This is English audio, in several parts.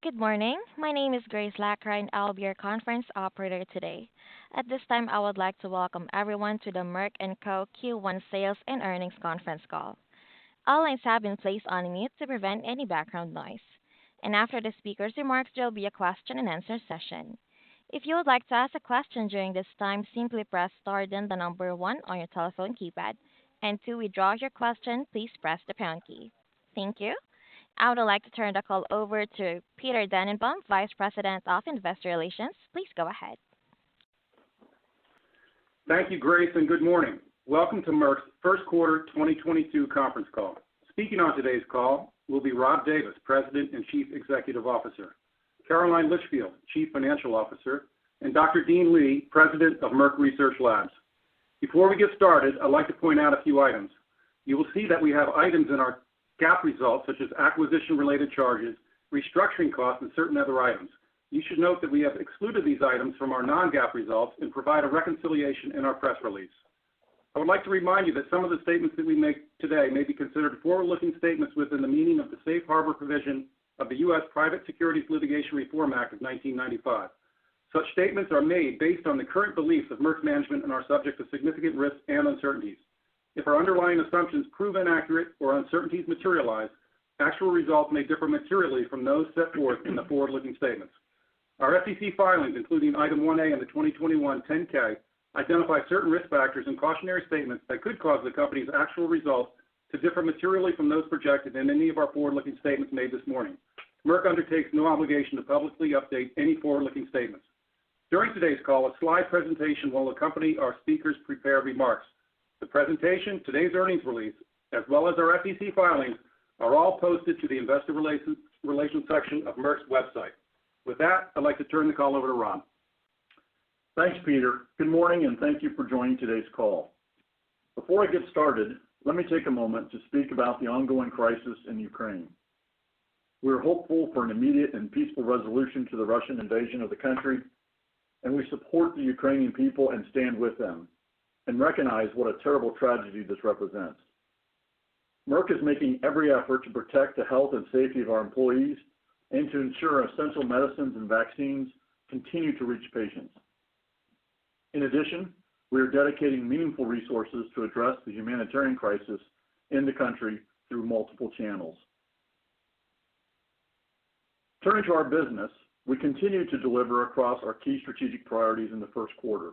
Good morning. My name is Grace Lacra, and I'll be your conference operator today. At this time, I would like to welcome everyone to the Merck & Co. Q1 Sales and Earnings Conference Call. All lines have been placed on mute to prevent any background noise, and after the speaker's remarks, there will be a question-and-answer session. If you would like to ask a question during this time simply press star, then the number one on your telephone keypad. To withdraw your question, please press the pound key. Thank you. I would like to turn the call over to Peter Dannenbaum, Vice President of Investor Relations. Please go ahead. Thank you, Grace, and good morning. Welcome to Merck's first quarter 2022 conference call. Speaking on today's call will be Rob Davis, President and Chief Executive Officer, Caroline Litchfield, Chief Financial Officer, and Dr. Dean Li, President of Merck Research Laboratories. Before we get started, I'd like to point out a few items. You will see that we have items in our GAAP results, such as acquisition-related charges, restructuring costs, and certain other items. You should note that we have excluded these items from our Non-GAAP results and provide a reconciliation in our press release. I would like to remind you that some of the statements that we make today may be considered forward-looking statements within the meaning of the Safe Harbor provision of the US Private Securities Litigation Reform Act of 1995. Such statements are made based on the current beliefs of Merck management and are subject to significant risks and uncertainties. If our underlying assumptions prove inaccurate or uncertainties materialize, actual results may differ materially from those set forth in the forward-looking statements. Our SEC filings, including Item 1A in the 2021 10-K, identify certain risk factors and cautionary statements that could cause the company's actual results to differ materially from those projected in any of our forward-looking statements made this morning. Merck undertakes no obligation to publicly update any forward-looking statements. During today's call, a slide presentation will accompany our speakers' prepared remarks. The presentation, today's earnings release, as well as our SEC filings, are all posted to the investor relations section of Merck's website. With that, I'd like to turn the call over to Rob. Thanks, Peter. Good morning, and thank you for joining today's call. Before I get started, let me take a moment to speak about the ongoing crisis in Ukraine. We're hopeful for an immediate and peaceful resolution to the Russian invasion of the country, and we support the Ukrainian people and stand with them and recognize what a terrible tragedy this represents. Merck is making every effort to protect the health and safety of our employees and to ensure our essential medicines and vaccines continue to reach patients. In addition, we are dedicating meaningful resources to address the humanitarian crisis in the country through multiple channels. Turning to our business, we continue to deliver across our key strategic priorities in the first quarter.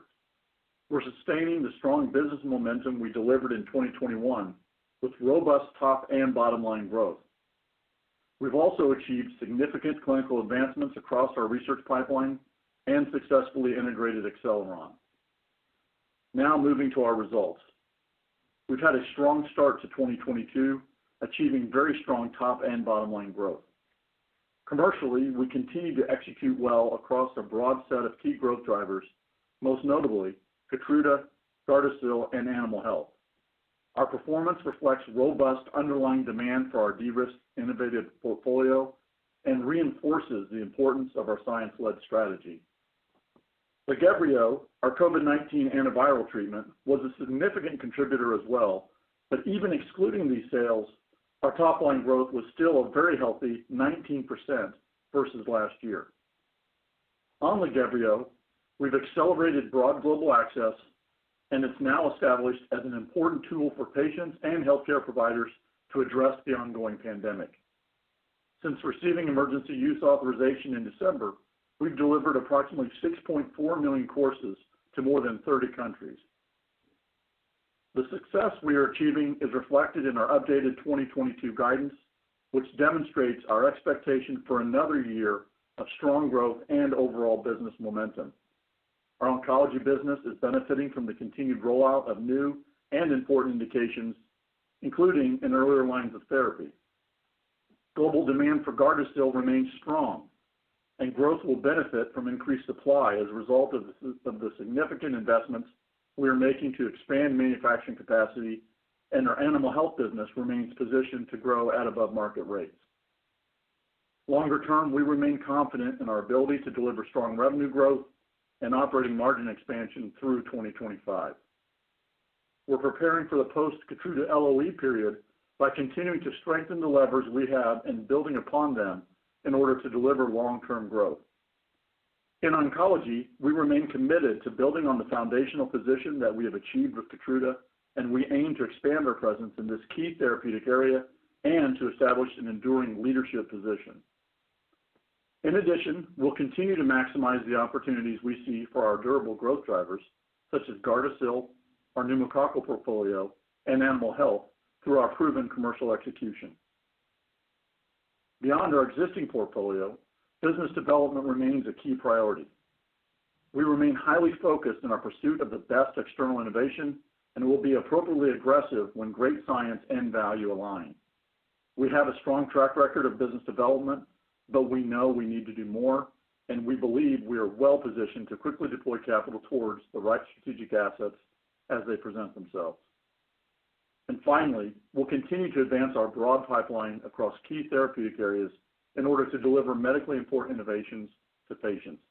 We're sustaining the strong business momentum we delivered in 2021 with robust top and bottom-line growth. We've also achieved significant clinical advancements across our research pipeline and successfully integrated Acceleron. Now moving to our results. We've had a strong start to 2022, achieving very strong top and bottom-line growth. Commercially, we continue to execute well across a broad set of key growth drivers, most notably KEYTRUDA, GARDASIL, and Animal Health. Our performance reflects robust underlying demand for our de-risked innovative portfolio and reinforces the importance of our science-led strategy. LAGEVRIO, our COVID-19 antiviral treatment, was a significant contributor as well, but even excluding these sales, our top-line growth was still a very healthy 19% versus last year. On LAGEVRIO, we've accelerated broad global access, and it's now established as an important tool for patients and healthcare providers to address the ongoing pandemic. Since receiving emergency use authorization in December, we've delivered approximately 6.4 million courses to more than 30 countries. The success we are achieving is reflected in our updated 2022 guidance, which demonstrates our expectation for another year of strong growth and overall business momentum. Our oncology business is benefiting from the continued rollout of new and important indications, including in earlier lines of therapy. Global demand for GARDASIL remains strong, and growth will benefit from increased supply as a result of the significant investments we are making to expand manufacturing capacity, and our Animal Health business remains positioned to grow at above-market rates. Longer term, we remain confident in our ability to deliver strong revenue growth and operating margin expansion through 2025. We're preparing for the post KEYTRUDA LOE period by continuing to strengthen the levers we have and building upon them in order to deliver long-term growth. In oncology, we remain committed to building on the foundational position that we have achieved with KEYTRUDA, and we aim to expand our presence in this key therapeutic area and to establish an enduring leadership position. In addition, we'll continue to maximize the opportunities we see for our durable growth drivers, such as GARDASIL, our pneumococcal portfolio, and Animal Health, through our proven commercial execution. Beyond our existing portfolio, business development remains a key priority. We remain highly focused in our pursuit of the best external innovation, and we'll be appropriately aggressive when great science and value align. We have a strong track record of business development, but we know we need to do more, and we believe we are well-positioned to quickly deploy capital towards the right strategic assets as they present themselves. Finally, we'll continue to advance our broad pipeline across key therapeutic areas in order to deliver medically important innovations to patients.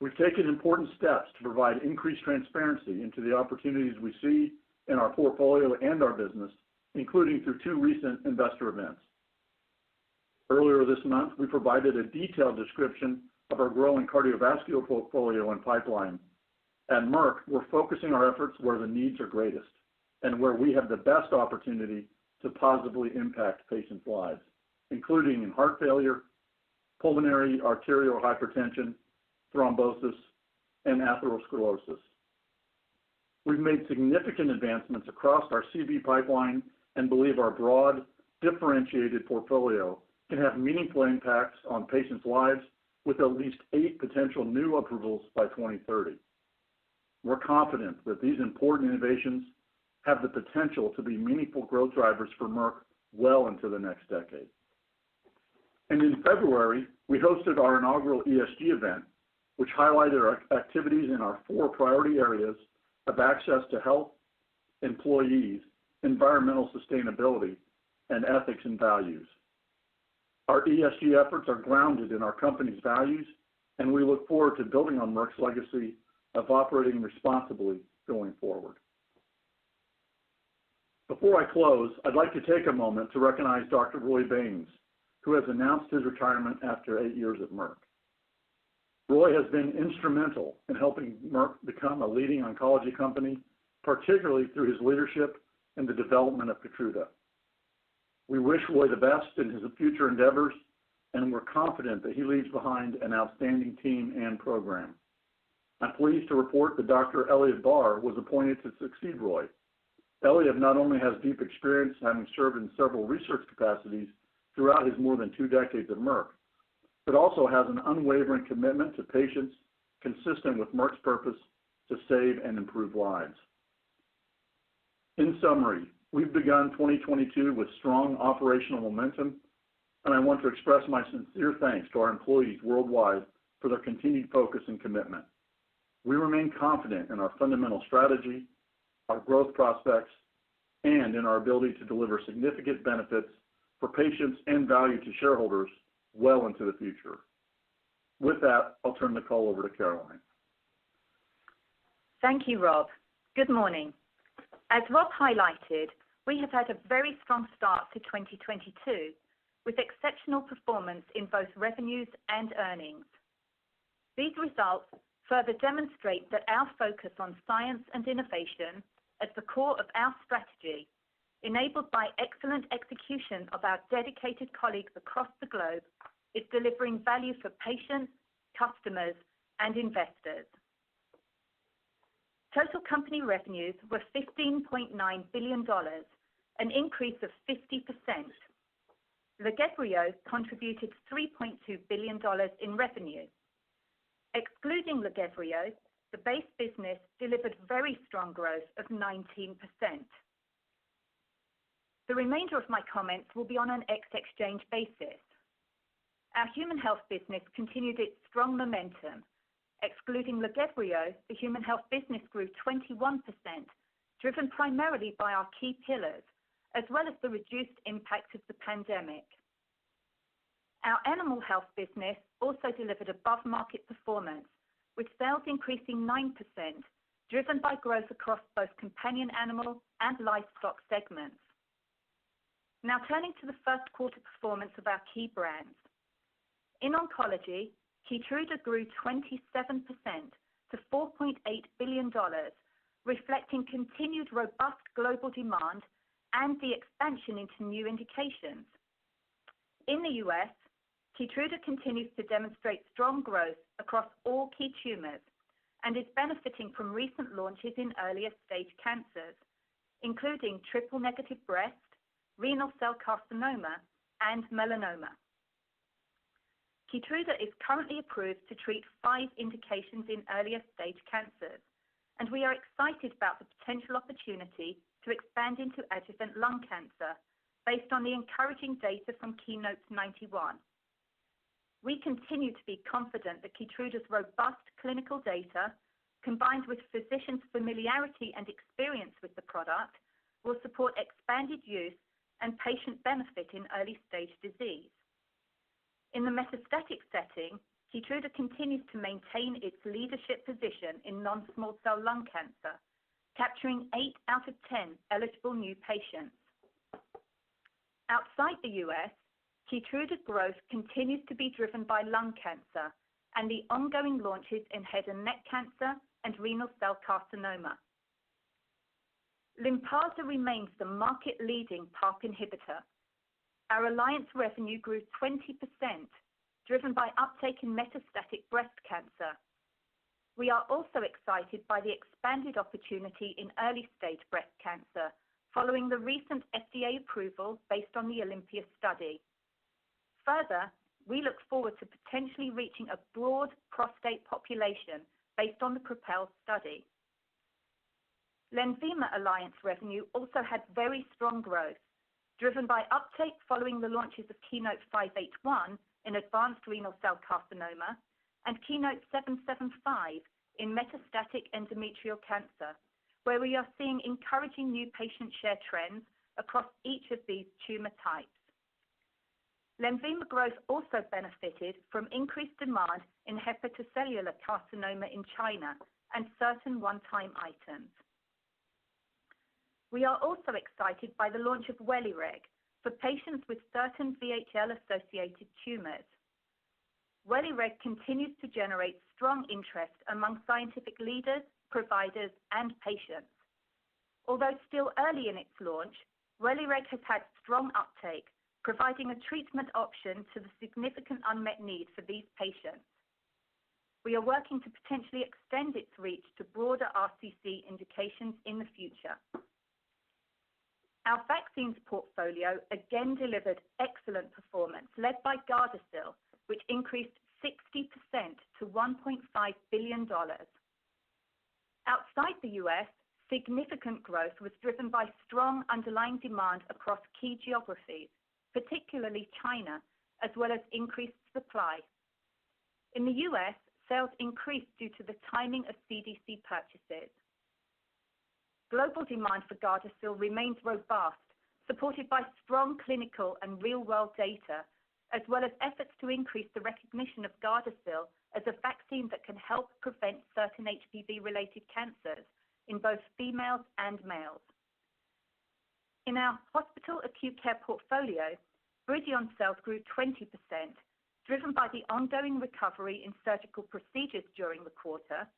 We've taken important steps to provide increased transparency into the opportunities we see in our portfolio and our business, including through two recent investor events. Earlier this month, we provided a detailed description of our growing cardiovascular portfolio and pipeline. At Merck, we're focusing our efforts where the needs are greatest and where we have the best opportunity to positively impact patients' lives, including in heart failure, pulmonary arterial hypertension, thrombosis, and atherosclerosis. We've made significant advancements across our CV pipeline and believe our broad, differentiated portfolio can have meaningful impacts on patients' lives with at least eight potential new approvals by 2030. We're confident that these important innovations have the potential to be meaningful growth drivers for Merck well into the next decade. In February, we hosted our inaugural ESG event, which highlighted our activities in our four priority areas of access to health, employees, environmental sustainability, and ethics and values. Our ESG efforts are grounded in our company's values, and we look forward to building on Merck's legacy of operating responsibly going forward. Before I close, I'd like to take a moment to recognize Dr. Roy Baynes, who has announced his retirement after eight years at Merck. Roy has been instrumental in helping Merck become a leading oncology company, particularly through his leadership in the development of KEYTRUDA. We wish Roy the best in his future endeavors, and we're confident that he leaves behind an outstanding team and program. I'm pleased to report that Dr. Eliav Barr was appointed to succeed Roy. Eliav not only has deep experience, having served in several research capacities throughout his more than two decades at Merck, but also has an unwavering commitment to patients consistent with Merck's purpose to save and improve lives. In summary, we've begun 2022 with strong operational momentum, and I want to express my sincere thanks to our employees worldwide for their continued focus and commitment. We remain confident in our fundamental strategy, our growth prospects, and in our ability to deliver significant benefits for patients and value to shareholders well into the future. With that, I'll turn the call over to Caroline. Thank you, Rob. Good morning. As Rob highlighted, we have had a very strong start to 2022, with exceptional performance in both revenues and earnings. These results further demonstrate that our focus on science and innovation at the core of our strategy, enabled by excellent execution of our dedicated colleagues across the globe, is delivering value for patients, customers, and investors. Total company revenues were $15.9 billion, an increase of 50%. LAGEVRIO contributed $3.2 billion in revenue. Excluding LAGEVRIO, the base business delivered very strong growth of 19%. The remainder of my comments will be on an ex-FX basis. Our Human Health business continued its strong momentum. Excluding LAGEVRIO, the Human Health business grew 21%, driven primarily by our key pillars, as well as the reduced impact of the pandemic. Our Animal Health business also delivered above-market performance, with sales increasing 9%, driven by growth across both companion animal and livestock segments. Now turning to the first quarter performance of our key brands. In oncology, KEYTRUDA grew 27% to $4.8 billion, reflecting continued robust global demand and the expansion into new indications. In the US, KEYTRUDA continues to demonstrate strong growth across all key tumors and is benefiting from recent launches in earlier stage cancers, including triple-negative breast, renal cell carcinoma, and melanoma. KEYTRUDA is currently approved to treat five indications in earlier stage cancers, and we are excited about the potential opportunity to expand into adjuvant lung cancer based on the encouraging data from KEYNOTE-091. We continue to be confident that KEYTRUDA's robust clinical data, combined with physicians' familiarity and experience with the product, will support expanded use and patient benefit in early-stage disease. In the metastatic setting, KEYTRUDA continues to maintain its leadership position in non-small cell lung cancer, capturing eight out of 10 eligible new patients. Outside the U.S., KEYTRUDA growth continues to be driven by lung cancer and the ongoing launches in head and neck cancer and renal cell carcinoma. LYNPARZA remains the market-leading PARP inhibitor. Our alliance revenue grew 20%, driven by uptake in metastatic breast cancer. We are also excited by the expanded opportunity in early-stage breast cancer following the recent FDA approval based on the OlympiA study. Further, we look forward to potentially reaching a broad prostate population based on the PROpel study. LENVIMA alliance revenue also had very strong growth, driven by uptake following the launches of KEYNOTE-581 in advanced renal cell carcinoma and KEYNOTE-775 in metastatic endometrial cancer, where we are seeing encouraging new patient share trends across each of these tumor types. LENVIMA growth also benefited from increased demand in hepatocellular carcinoma in China and certain one-time items. We are also excited by the launch of WELIREG for patients with certain VHL-associated tumors. WELIREG continues to generate strong interest among scientific leaders, providers, and patients. Although still early in its launch, WELIREG has had strong uptake, providing a treatment option to the significant unmet need for these patients. We are working to potentially extend its reach to broader RCC indications in the future. Our vaccines portfolio again delivered excellent performance led by GARDASIL, which increased 60% to $1.5 billion. Outside the US, significant growth was driven by strong underlying demand across key geographies, particularly China, as well as increased supply. In the U.S., sales increased due to the timing of CDC purchases. Global demand for GARDASIL remains robust, supported by strong clinical and real-world data, as well as efforts to increase the recognition of GARDASIL as a vaccine that can help prevent certain HPV-related cancers in both females and males. In our hospital acute care portfolio, BRIDION sales grew 20%, driven by the ongoing recovery in surgical procedures during the quarter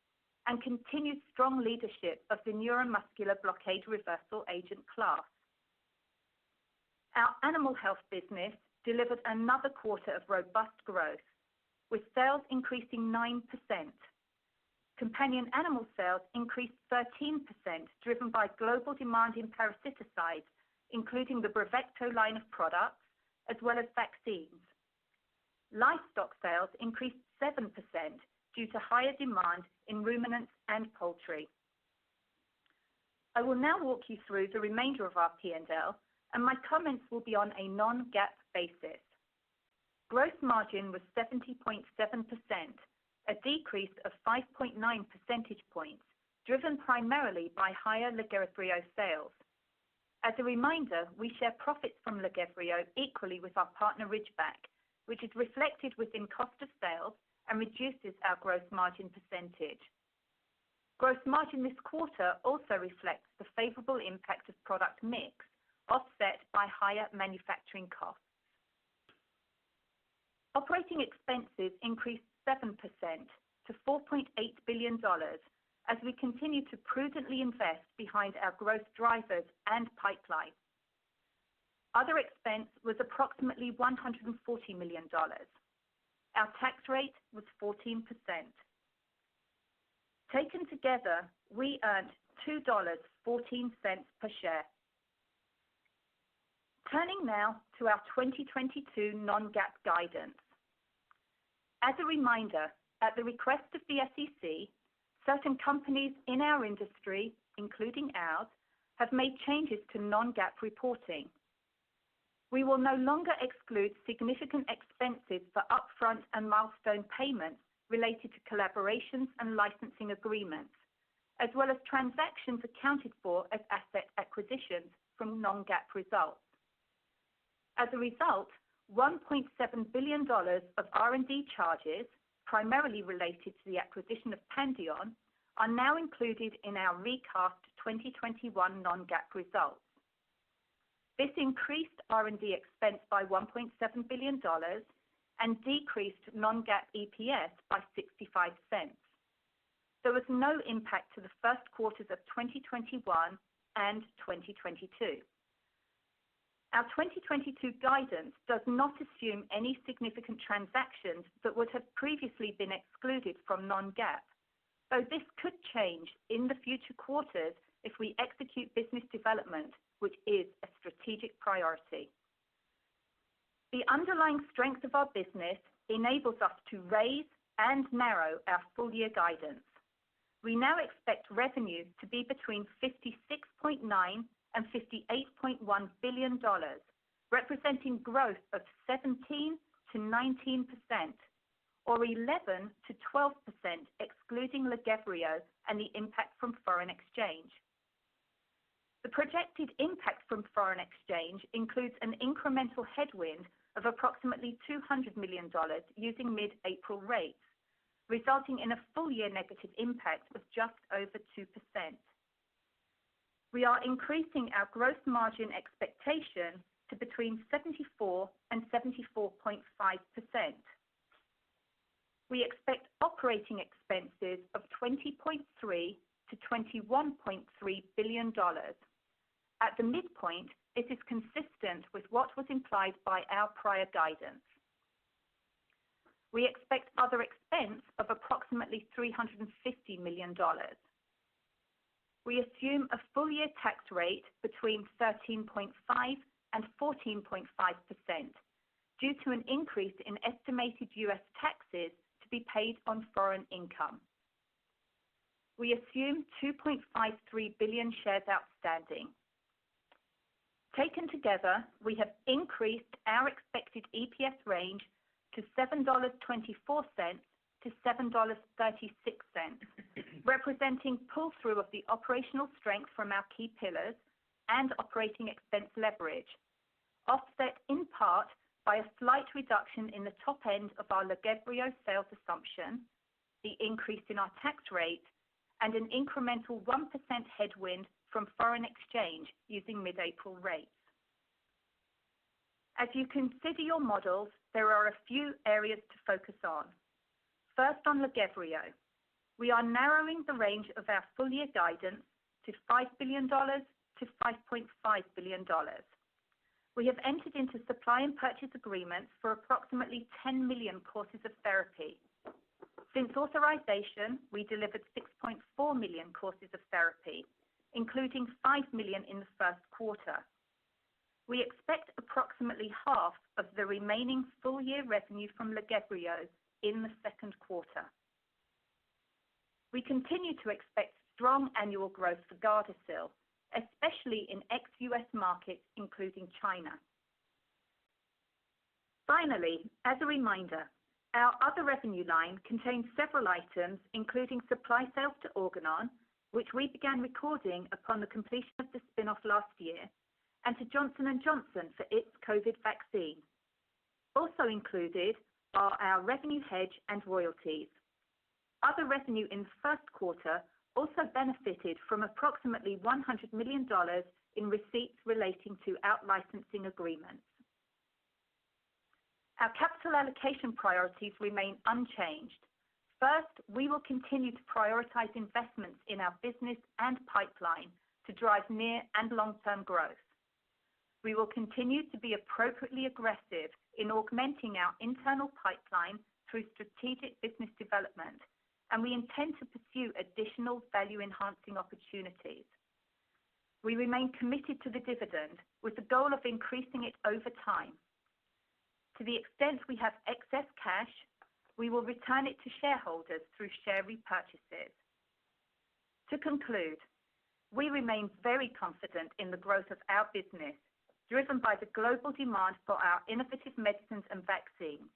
and continued strong leadership of the neuromuscular blockade reversal agent class. Our animal health business delivered another quarter of robust growth, with sales increasing 9%. Companion animal sales increased 13% driven by global demand in parasiticides, including the BRAVECTO line of products as well as vaccines. Livestock sales increased 7% due to higher demand in ruminants and poultry. I will now walk you through the remainder of our P&L, and my comments will be on a Non-GAAP basis. Gross margin was 70.7%, a decrease of 5.9 percentage points, driven primarily by higher LAGEVRIO sales. As a reminder, we share profits from LAGEVRIO equally with our partner Ridgeback, which is reflected within cost of sales and reduces our gross margin percentage. Gross margin this quarter also reflects the favorable impact of product mix offset by higher manufacturing costs. Operating expenses increased 7% to $4.8 billion as we continue to prudently invest behind our growth drivers and pipeline. Other expense was approximately $140 million. Our tax rate was 14%. Taken together, we earned $2.14 per share. Turning now to our 2022 Non-GAAP guidance. As a reminder, at the request of the SEC, certain companies in our industry, including ours, have made changes to Non-GAAP reporting. We will no longer exclude significant expenses for upfront and milestone payments related to collaborations and licensing agreements, as well as transactions accounted for as asset acquisitions from Non-GAAP results. As a result, $1.7 billion of R&D charges, primarily related to the acquisition of Pandion, are now included in our recast 2021 Non-GAAP results. This increased R&D expense by $1.7 billion and decreased non-GAAP EPS by $0.65. There was no impact to the first quarters of 2021 and 2022. Our 2022 guidance does not assume any significant transactions that would have previously been excluded from Non-GAAP, though this could change in the future quarters if we execute business development, which is a strategic priority. The underlying strength of our business enables us to raise and narrow our full year guidance. We now expect revenues to be between $56.9 billion and $58.1 billion, representing growth of 17%-19% or 11%-12% excluding Lynparza and the impact from foreign exchange. The projected impact from foreign exchange includes an incremental headwind of approximately $200 million using mid-April rates, resulting in a full year negative impact of just over 2%. We are increasing our gross margin expectation to between 74% and 74.5%. We expect operating expenses of $20.3 billion-$21.3 billion. At the midpoint, this is consistent with what was implied by our prior guidance. We expect other expense of approximately $350 million. We assume a full year tax rate between 13.5%-14.5% due to an increase in estimated U.S. taxes to be paid on foreign income. We assume 2.53 billion shares outstanding. Taken together, we have increased our expected EPS range to $7.24-$7.36, representing pull-through of the operational strength from our key pillars and operating expense leverage, offset in part by a slight reduction in the top end of our LAGEVRIO sales assumption, the increase in our tax rate, and an incremental 1% headwind from foreign exchange using mid-April rates. As you consider your models, there are a few areas to focus on. First, on LAGEVRIO, we are narrowing the range of our full year guidance to $5 billion-$5.5 billion. We have entered into supply and purchase agreements for approximately 10 million courses of therapy. Since authorization, we delivered 6.4 million courses of therapy, including 5 million in the first quarter. We expect approximately half of the remaining full-year revenue from LAGEVRIO in the second quarter. We continue to expect strong annual growth for GARDASIL, especially in ex-US markets, including China. Finally, as a reminder, our other revenue line contains several items, including supply sales to Organon, which we began recording upon the completion of the spin-off last year, and to Johnson & Johnson for its COVID vaccine. Also included are our revenue hedge and royalties. Other revenue in the first quarter also benefited from approximately $100 million in receipts relating to out-licensing agreements. Our capital allocation priorities remain unchanged. First, we will continue to prioritize investments in our business and pipeline to drive near and long-term growth. We will continue to be appropriately aggressive in augmenting our internal pipeline through strategic business development, and we intend to pursue additional value-enhancing opportunities. We remain committed to the dividend, with the goal of increasing it over time. To the extent we have excess cash, we will return it to shareholders through share repurchases. To conclude, we remain very confident in the growth of our business, driven by the global demand for our innovative medicines and vaccines.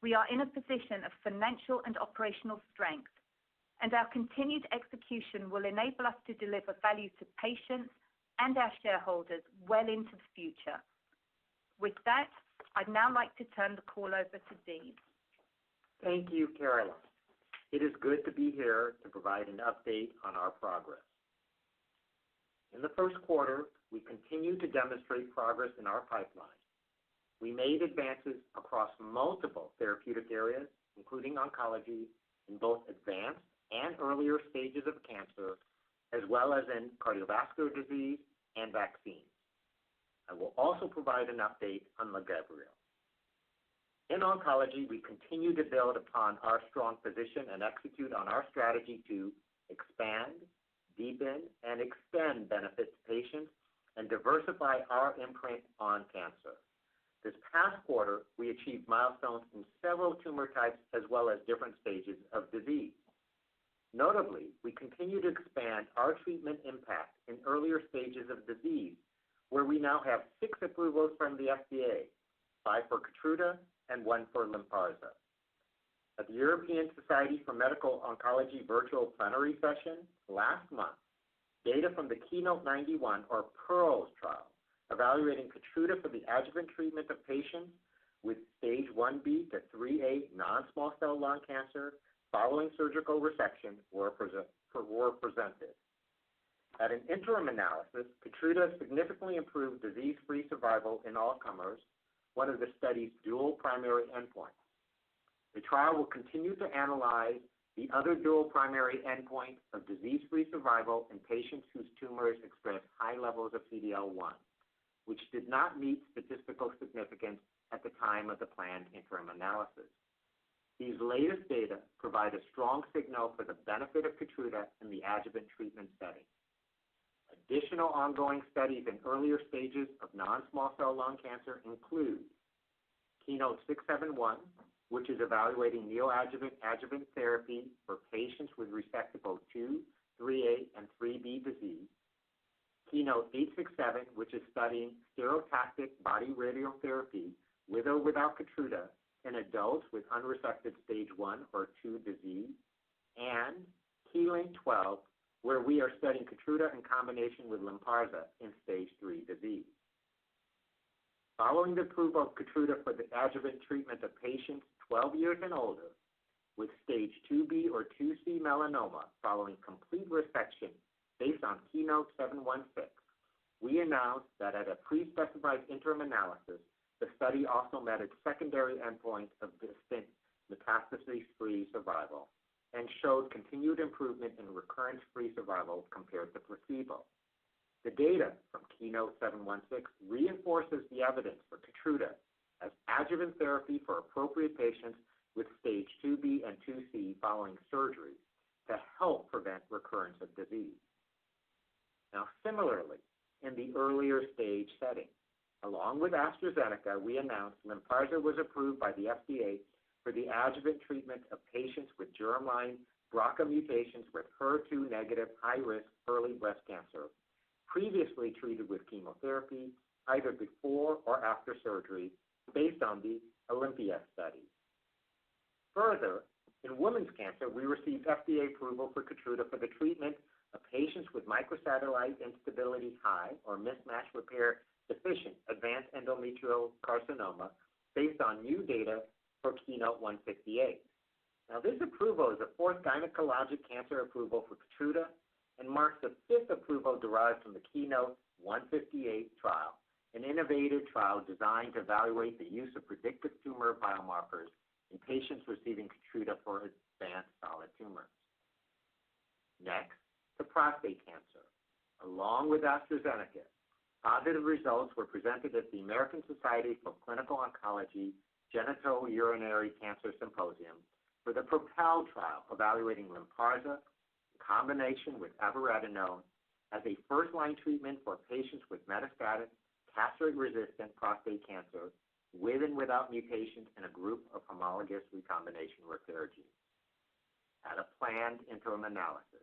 We are in a position of financial and operational strength, and our continued execution will enable us to deliver value to patients and our shareholders well into the future. With that, I'd now like to turn the call over to Dave. Thank you, Caroline. It is good to be here to provide an update on our progress. In the first quarter, we continued to demonstrate progress in our pipeline. We made advances across multiple therapeutic areas, including oncology in both advanced and earlier stages of cancer, as well as in cardiovascular disease and vaccines. I will also provide an update on LAGEVRIO. In oncology, we continue to build upon our strong position and execute on our strategy to expand, deepen, and extend benefit to patients and diversify our imprint on cancer. This past quarter, we achieved milestones in several tumor types as well as different stages of disease. Notably, we continue to expand our treatment impact in earlier stages of disease, where we now have six approvals from the FDA, five for KEYTRUDA and one for LYNPARZA. At the European Society for Medical Oncology Virtual Plenary Session last month, data from the KEYNOTE-091 or PEARLS trial evaluating KEYTRUDA for the adjuvant treatment of patients with stage IB-IIIA non-small cell lung cancer following surgical resection were presented. At an interim analysis, KEYTRUDA significantly improved disease-free survival in all comers, one of the study's dual primary endpoints. The trial will continue to analyze the other dual primary endpoint of disease-free survival in patients whose tumors express high levels of PD-L1, which did not meet statistical significance at the time of the planned interim analysis. These latest data provide a strong signal for the benefit of KEYTRUDA in the adjuvant treatment setting. Additional ongoing studies in earlier stages of non-small cell lung cancer include KEYNOTE-671, which is evaluating neoadjuvant adjuvant therapy for patients with resectable II, IIIA, and IIIB disease. KEYNOTE-867, which is studying stereotactic body radiotherapy with or without KEYTRUDA in adults with unresected Stage I or II disease. KEYLYNK-012, where we are studying KEYTRUDA in combination with LYNPARZA in Stage III disease. Following the approval of KEYTRUDA for the adjuvant treatment of patients 12 years and older with Stage II-B or II-C melanoma following complete resection based on KEYNOTE-716, we announced that at a pre-specified interim analysis, the study also met its secondary endpoint of distant metastasis-free survival and showed continued improvement in recurrence-free survival compared to placebo. The data from KEYNOTE-716 reinforces the evidence for KEYTRUDA as adjuvant therapy for appropriate patients with Stage II-B and II-C following surgery to help prevent recurrence of disease. Now similarly, in the earlier stage setting, along with AstraZeneca, we announced LYNPARZA was approved by the FDA for the adjuvant treatment of patients with germline BRCA mutations with HER2 negative high risk early breast cancer. Previously treated with chemotherapy either before or after surgery based on the OlympiA study. Further, in women's cancer, we received FDA approval for KEYTRUDA for the treatment of patients with MSI-high or mismatch repair-deficient advanced endometrial carcinoma based on new data for KEYNOTE-158. Now, this approval is the fourth gynecologic cancer approval for KEYTRUDA and marks the fifth approval derived from the KEYNOTE-158 trial, an innovative trial designed to evaluate the use of predictive tumor biomarkers in patients receiving KEYTRUDA for advanced solid tumors. Next, to prostate cancer. Along with AstraZeneca, positive results were presented at the American Society for Clinical Oncology Genitourinary Cancers Symposium for the PROPEL trial evaluating LYNPARZA in combination with abiraterone as a first-line treatment for patients with metastatic castration-resistant prostate cancer with and without mutations in a group of homologous recombination repair genes. At a planned interim analysis,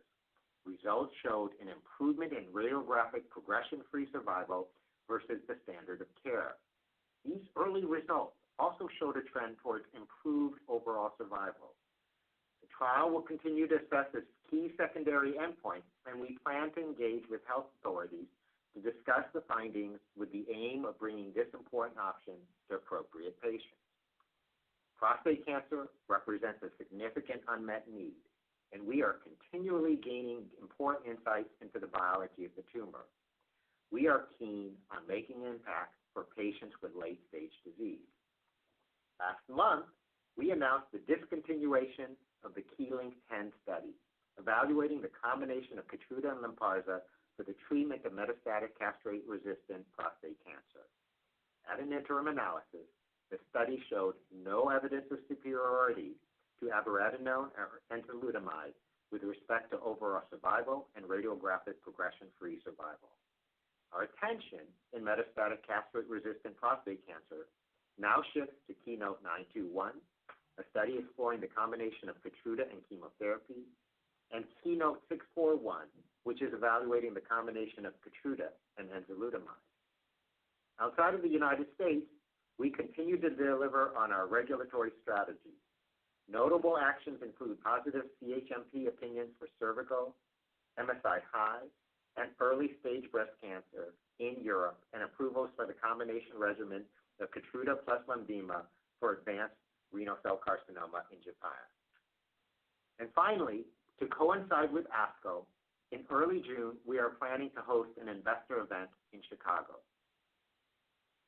results showed an improvement in radiographic progression-free survival versus the standard of care. These early results also showed a trend towards improved overall survival. The trial will continue to assess its key secondary endpoints, and we plan to engage with health authorities to discuss the findings with the aim of bringing this important option to appropriate patients. Prostate cancer represents a significant unmet need, and we are continually gaining important insights into the biology of the tumor. We are keen on making an impact for patients with late-stage disease. Last month, we announced the discontinuation of the KEYLYNK-010 study evaluating the combination of KEYTRUDA and LYNPARZA for the treatment of metastatic castration-resistant prostate cancer. At an interim analysis, the study showed no evidence of superiority to abiraterone and enzalutamide with respect to overall survival and radiographic progression-free survival. Our attention in metastatic castration-resistant prostate cancer now shifts to KEYNOTE-921, a study exploring the combination of KEYTRUDA and chemotherapy, and KEYNOTE-641, which is evaluating the combination of KEYTRUDA and enzalutamide. Outside of the United States, we continue to deliver on our regulatory strategy. Notable actions include positive CHMP opinion for cervical MSI-high and early-stage breast cancer in Europe, and approvals for the combination regimen of KEYTRUDA plus LENVIMA for advanced renal cell carcinoma in Japan. Finally, to coincide with ASCO, in early June, we are planning to host an investor event in Chicago.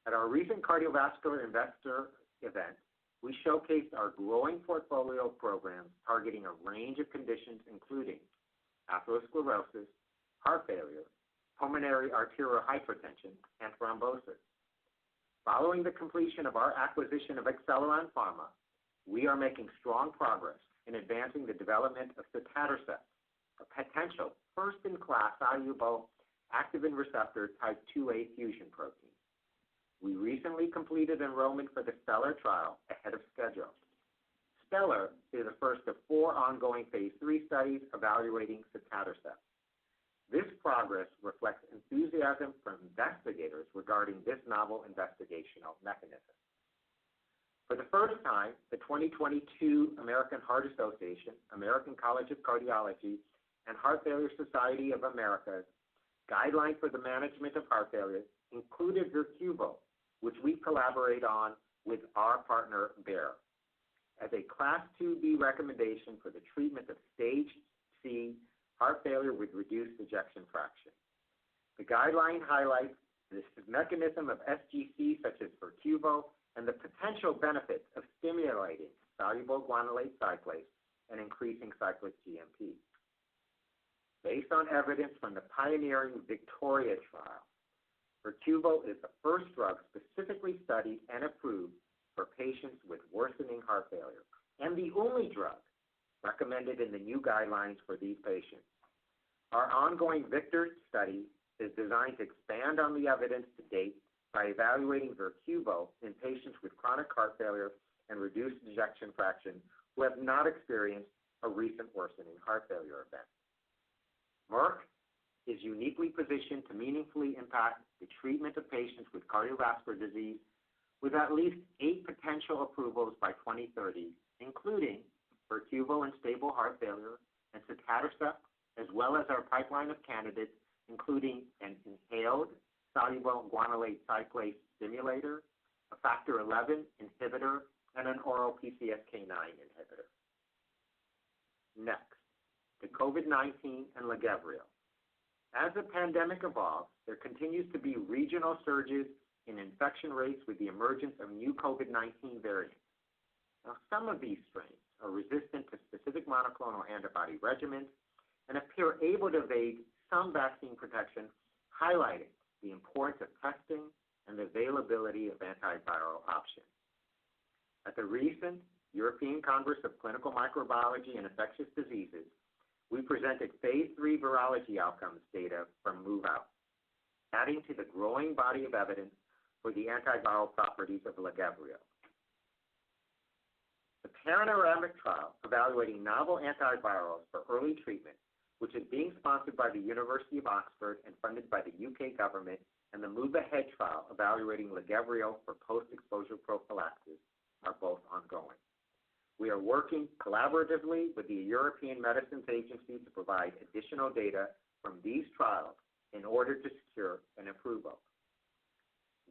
At our recent cardiovascular investor event, we showcased our growing portfolio of programs targeting a range of conditions, including atherosclerosis, heart failure, pulmonary arterial hypertension, and thrombosis. Following the completion of our acquisition of Acceleron Pharma, we are making strong progress in advancing the development of sotatercept, a potential first-in-class soluble activin receptor type two A fusion protein. We recently completed enrollment for the STELLAR trial ahead of schedule. STELLAR is the first of 4 ongoing phase 3 studies evaluating sotatercept. This progress reflects enthusiasm from investigators regarding this novel investigational mechanism. For the first time, the 2022 American Heart Association, American College of Cardiology, and Heart Failure Society of America's guideline for the management of heart failure included VERQUVO, which we collaborate on with our partner, Bayer, as a Class 2b recommendation for the treatment of Stage C heart failure with reduced ejection fraction. The guideline highlights the mechanism of sGC, such as VERQUVO, and the potential benefits of stimulating soluble guanylate cyclase and increasing cyclic GMP. Based on evidence from the pioneering VICTORIA trial, VERQUVO is the first drug specifically studied and approved for patients with worsening heart failure, and the only drug recommended in the new guidelines for these patients. Our ongoing VICTOR study is designed to expand on the evidence to date by evaluating VERQUVO in patients with chronic heart failure and reduced ejection fraction who have not experienced a recent worsening heart failure event. Merck is uniquely positioned to meaningfully impact the treatment of patients with cardiovascular disease with at least eight potential approvals by 2030, including VERQUVO in stable heart failure and sotatercept, as well as our pipeline of candidates, including an inhaled soluble guanylate cyclase stimulator, a factor XI inhibitor, and an oral PCSK9 inhibitor. Next to COVID-19 and LAGEVRIO. As the pandemic evolves, there continues to be regional surges in infection rates with the emergence of new COVID-19 variants. Some of these strains are resistant to specific monoclonal antibody regimens and appear able to evade some vaccine protection, highlighting the importance of testing and the availability of antiviral options. At the recent European Congress of Clinical Microbiology & Infectious Diseases, we presented phase 3 virology outcomes data from MOVe-OUT, adding to the growing body of evidence for the antiviral properties of LAGEVRIO. The PANORAMIC trial evaluating novel antivirals for early treatment, which is being sponsored by the University of Oxford and funded by the U.K. government, and the MOVe-AHEAD trial evaluating LAGEVRIO for post-exposure prophylaxis are both ongoing. We are working collaboratively with the European Medicines Agency to provide additional data from these trials in order to secure an approval.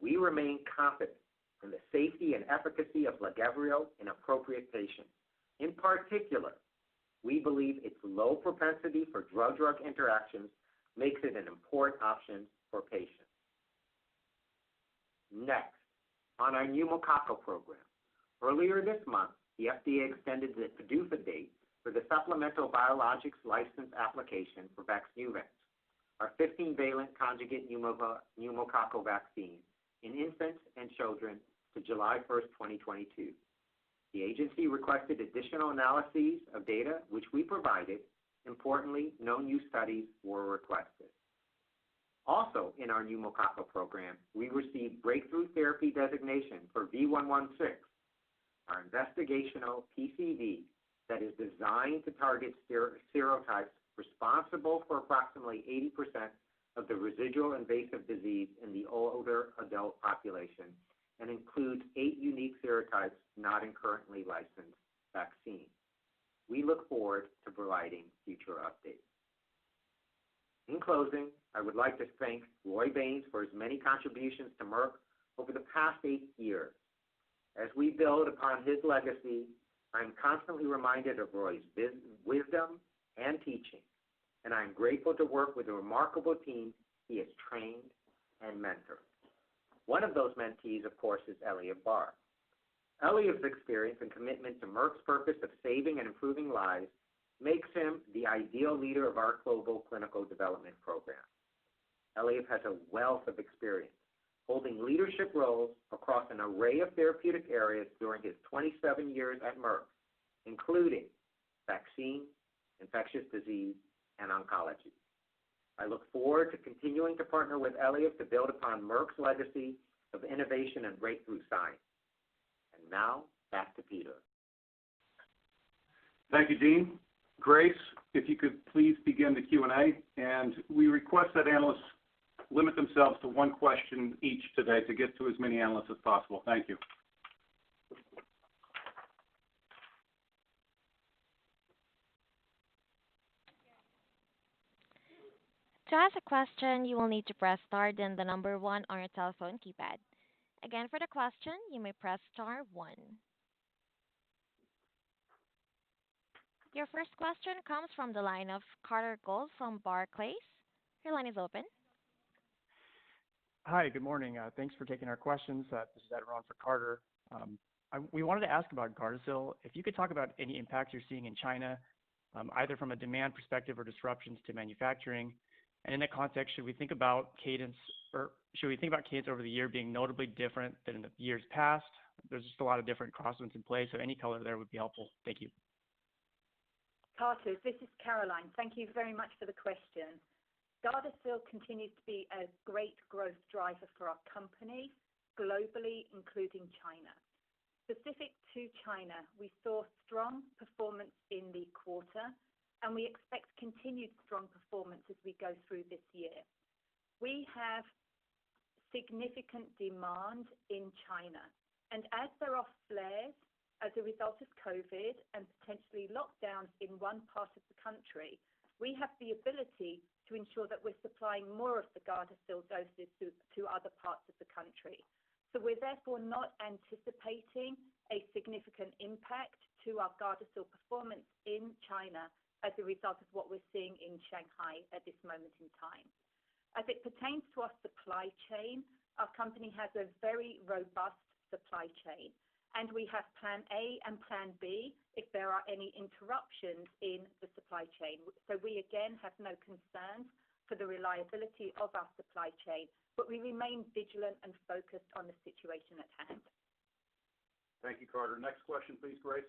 We remain confident in the safety and efficacy of LAGEVRIO in appropriate patients. In particular, we believe its low propensity for drug-drug interactions makes it an important option for patients. Next, on our pneumococcal program. Earlier this month, the FDA extended the PDUFA date for the supplemental biologics license application for VAXNEUVANCE, our 15-valent conjugate pneumococcal vaccine in infants and children to July first, 2022. The agency requested additional analyses of data, which we provided. Importantly, no new studies were requested. Also, in our pneumococcal program, we received breakthrough therapy designation for V116, our investigational PCV that is designed to target serotypes responsible for approximately 80% of the residual invasive disease in the older adult population and includes eight unique serotypes not in currently licensed vaccine. We look forward to providing future updates. In closing, I would like to thank Roy Baynes for his many contributions to Merck over the past eight years. As we build upon his legacy, I'm constantly reminded of Roy's wisdom and teaching, and I'm grateful to work with a remarkable team he has trained and mentored. One of those mentees, of course, is Eliav Barr. Eliav's experience and commitment to Merck's purpose of saving and improving lives makes him the ideal leader of our global clinical development program. Eliav has a wealth of experience, holding leadership roles across an array of therapeutic areas during his 27 years at Merck, including vaccine, infectious disease, and oncology. I look forward to continuing to partner with Eliav to build upon Merck's legacy of innovation and breakthrough science. Now back to Peter Dannenbaum. Thank you, Dean. Grace, if you could please begin the Q&A. We request that analysts limit themselves to one question each today to get to as many analysts as possible. Thank you. To ask a question, you will need to press star then the number one on your telephone keypad. Again, for the question, you may press star one. Your first question comes from the line of Carter Gould from Barclays. Your line is open. Hi. Good morning. Thanks for taking our questions. This is Ed Rons for Carter Gould. We wanted to ask about GARDASIL. If you could talk about any impacts you're seeing in China, either from a demand perspective or disruptions to manufacturing. In that context, should we think about cadence, or should we think about cadence over the year being notably different than in the years past? There's just a lot of different crosswinds in play, so any color there would be helpful. Thank you. Carter, this is Caroline. Thank you very much for the question. GARDASIL continues to be a great growth driver for our company globally, including China. Specific to China, we saw strong performance in the quarter, and we expect continued strong performance as we go through this year. We have significant demand in China. As there are flares as a result of COVID and potentially lockdowns in one part of the country, we have the ability to ensure that we're supplying more of the GARDASIL doses to other parts of the country. We're therefore not anticipating a significant impact to our GARDASIL performance in China as a result of what we're seeing in Shanghai at this moment in time. As it pertains to our supply chain, our company has a very robust supply chain, and we have plan A and plan B if there are any interruptions in the supply chain. We again have no concerns for the reliability of our supply chain, but we remain vigilant and focused on the situation at hand. Thank you, Carter. Next question, please, Grace.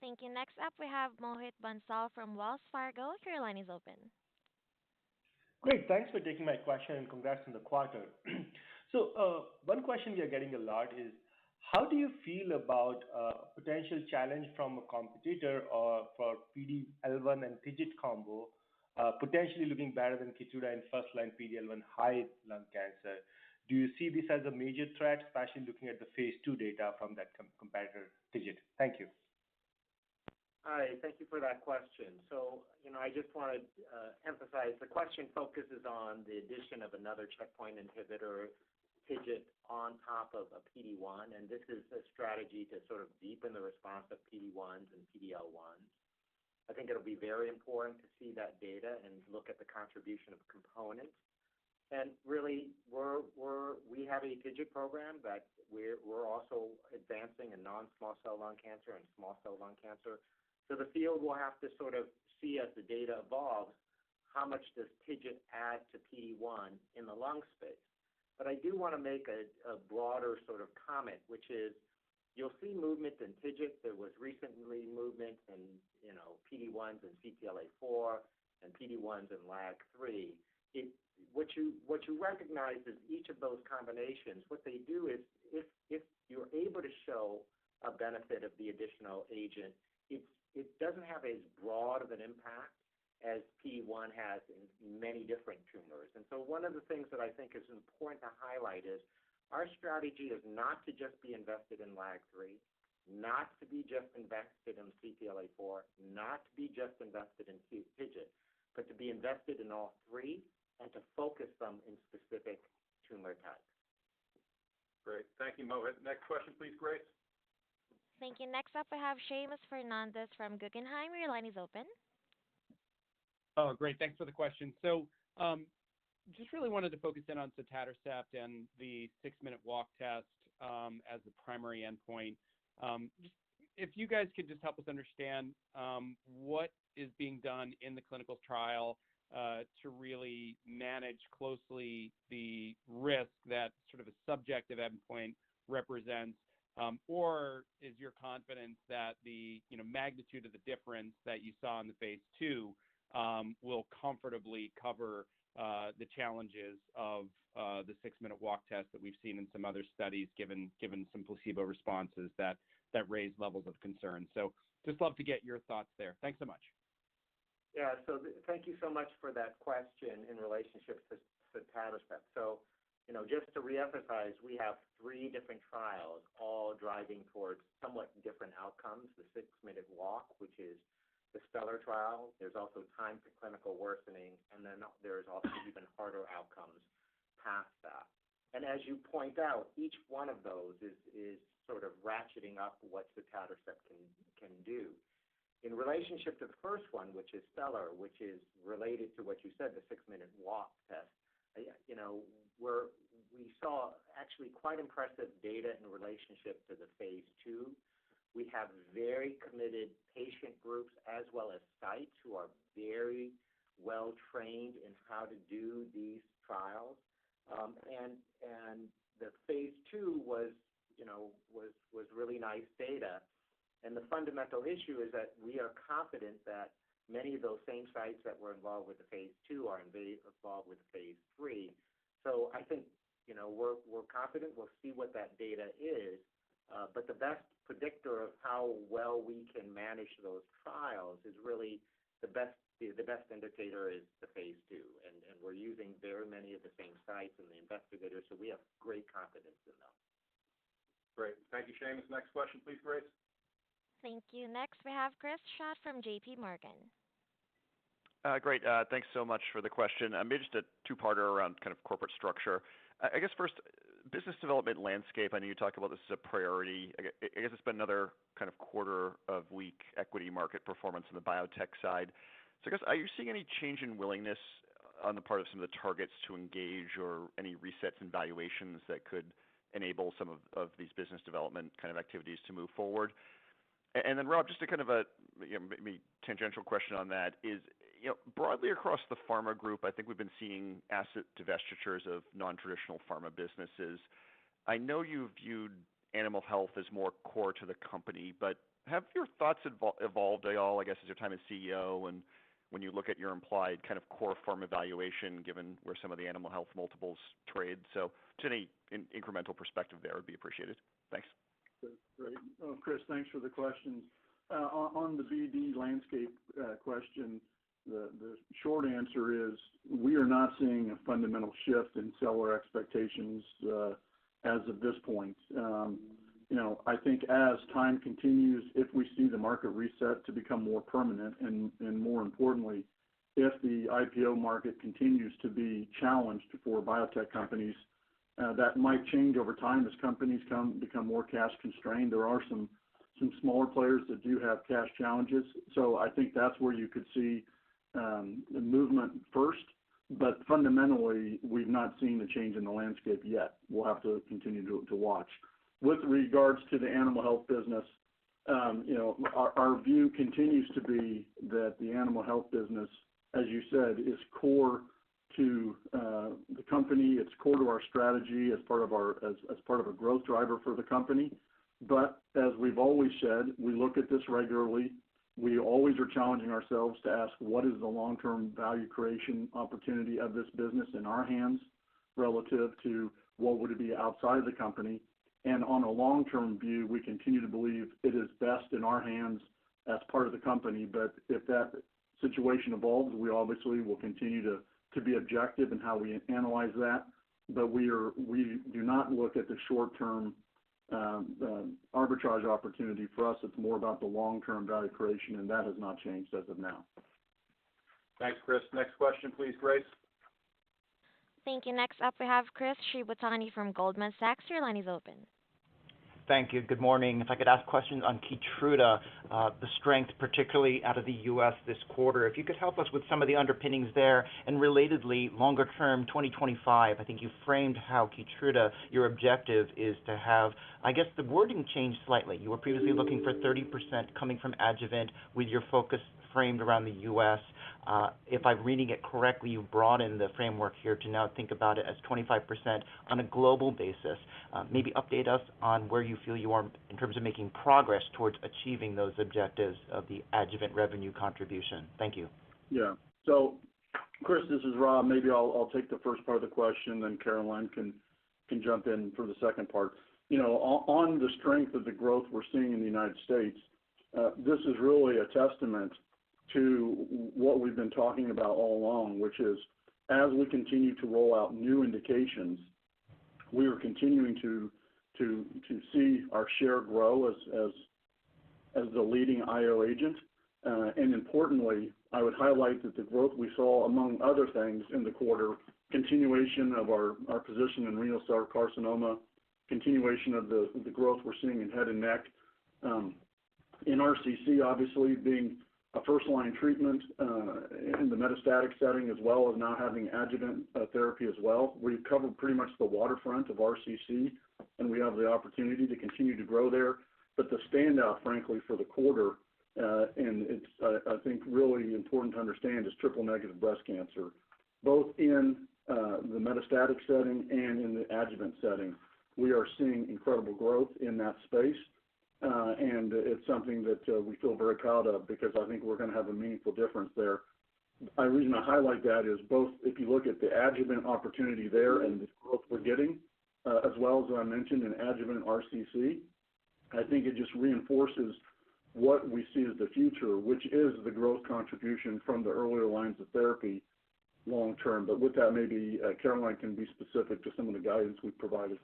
Thank you. Next up, we have Mohit Bansal from Wells Fargo. Your line is open. Great. Thanks for taking my question, and congrats on the quarter. One question we are getting a lot is how do you feel about potential challenge from a competitor or for PD-L1 and TIGIT combo, potentially looking better than KEYTRUDA in first-line PD-L1 high lung cancer? Do you see this as a major threat, especially looking at the phase 2 data from that competitor TIGIT? Thank you. Hi. Thank you for that question. You know, I just wanna emphasize, the question focuses on the addition of another checkpoint inhibitor, TIGIT, on top of a PD-1, and this is a strategy to sort of deepen the response of PD-1s and PD-L1s. I think it'll be very important to see that data and look at the contribution of components. Really we have a TIGIT program, but we also advancing in non-small cell lung cancer and small cell lung cancer. The field will have to sort of see as the data evolves, how much does TIGIT add to PD-1 in the lung space? I do wanna make a broader sort of comment, which is you'll see movement in TIGIT. There was recently movement in, you know, PD-1s and CTLA-4 and PD-1s and LAG-3. What you recognize is each of those combinations. What they do is if you're able to show a benefit of the additional agent, it doesn't have as broad of an impact as PD-1 has in many different tumors. One of the things that I think is important to highlight is our strategy is not to just be invested in LAG-3, not to be just invested in CTLA-4, not to be just invested in TIGIT, but to be invested in all three and to focus them in specific tumor types. Great. Thank you, Mohit. Next question please, Grace. Thank you. Next up, I have Seamus Fernandez from Guggenheim. Your line is open. Oh, great. Thanks for the question. Just really wanted to focus in on sotatercept and the six-minute walk test as the primary endpoint. Just if you guys could just help us understand what is being done in the clinical trial to really manage closely the risk that sort of a subjective endpoint represents, or is your confidence that the, you know, magnitude of the difference that you saw in the phase 2 will comfortably cover the challenges of the six-minute walk test that we've seen in some other studies given some placebo responses that raise levels of concern. Just love to get your thoughts there. Thanks so much. Yeah. So thank you so much for that question in relationship to sotatercept. You know, just to reemphasize, we have three different trials all driving towards somewhat different outcomes, the six-minute walk, which is the STELLAR trial. There's also time to clinical worsening, and then there's also even harder outcomes past that. As you point out, each one of those is sort of ratcheting up what sotatercept can do. In relationship to the first one, which is STELLAR, which is related to what you said, the six-minute walk test, you know, we saw actually quite impressive data in relationship to the phase 2. We have very committed patient groups as well as sites who are very well trained in how to do these trials. The phase 2 was, you know, really nice data. The fundamental issue is that we are confident that many of those same sites that were involved with the phase 2 are involved with phase 3. I think, you know, we're confident we'll see what that data is. But the best predictor of how well we can manage those trials is really the best indicator is the phase 2. We're using very many of the same sites and the investigators, so we have great confidence in them. Great. Thank you, Seamus. Next question please, Grace. Thank you. Next, we have Chris Schott from J.P. Morgan. Great. Thanks so much for the question. I have just a two-parter around kind of corporate structure. I guess first, business development landscape, I know you talked about this as a priority. I guess it's been another kind of quarter of weak equity market performance on the biotech side. So I guess, are you seeing any change in willingness on the part of some of the targets to engage or any resets in valuations that could enable some of these business development kind of activities to move forward? And then Rob, just to kind of, you know, maybe tangential question on that is, you know, broadly across the pharma group, I think we've been seeing asset divestitures of non-traditional pharma businesses. I know you viewed animal health as more core to the company, but have your thoughts evolved at all, I guess, as your time as CEO and when you look at your implied kind of core pharma valuation given where some of the animal health multiples trade? Just any incremental perspective there would be appreciated. Thanks. Great. Chris, thanks for the questions. On the BD landscape question, the short answer is we are not seeing a fundamental shift in seller expectations, as of this point. You know, I think as time continues, if we see the market reset to become more permanent, and more importantly, if the IPO market continues to be challenged for biotech companies, that might change over time as companies become more cash constrained. There are some smaller players that do have cash challenges. I think that's where you could see movement first. Fundamentally, we've not seen the change in the landscape yet. We'll have to continue to watch. With regards to the animal health business, you know, our view continues to be that the animal health business, as you said, is core to the company. It's core to our strategy as part of a growth driver for the company. As we've always said, we look at this regularly. We always are challenging ourselves to ask what is the long-term value creation opportunity of this business in our hands relative to what would it be outside the company. On a long-term view, we continue to believe it is best in our hands as part of the company. If that situation evolves, we obviously will continue to be objective in how we analyze that. We do not look at the short term arbitrage opportunity. For us, it's more about the long-term value creation, and that has not changed as of now. Thanks, Chris. Next question please, Grace. Thank you. Next up, we have Chris Shibutani from Goldman Sachs. Your line is open. Thank you. Good morning. If I could ask questions on KEYTRUDA, the strength, particularly out of the U.S. this quarter. If you could help us with some of the underpinnings there and relatedly longer term 2025. I think you framed how KEYTRUDA, your objective is to have. I guess the wording changed slightly. You were previously looking for 30% coming from adjuvant with your focus framed around the U.S. If I'm reading it correctly, you broadened the framework here to now think about it as 25% on a global basis. Maybe update us on where you feel you are in terms of making progress towards achieving those objectives of the adjuvant revenue contribution. Thank you. Yeah. Chris, this is Rob. Maybe I'll take the first part of the question, then Caroline can jump in for the second part. You know, on the strength of the growth we're seeing in the United States, this is really a testament to what we've been talking about all along, which is as we continue to roll out new indications, we are continuing to see our share grow as the leading IO agent. Importantly, I would highlight that the growth we saw, among other things in the quarter, continuation of our position in renal cell carcinoma, continuation of the growth we're seeing in head and neck. In RCC, obviously being a first-line treatment, in the metastatic setting, as well as now having adjuvant therapy as well. We've covered pretty much the waterfront of RCC, and we have the opportunity to continue to grow there. The standout, frankly, for the quarter, and it's, I think, really important to understand, is triple negative breast cancer, both in the metastatic setting and in the adjuvant setting. We are seeing incredible growth in that space, and it's something that we feel very proud of because I think we're gonna have a meaningful difference there. My reason I highlight that is both if you look at the adjuvant opportunity there and the growth we're getting, as well as I mentioned in adjuvant RCC, I think it just reinforces what we see as the future, which is the growth contribution from the earlier lines of therapy long term. With that, maybe Caroline can be specific to some of the guidance we've provided.